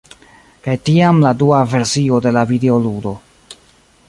kaj tiam la dua versio de la videoludo